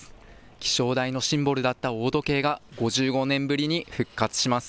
気象台のシンボルだった大時計が、５５年ぶりに復活します。